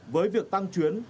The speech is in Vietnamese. với việc tăng chuyến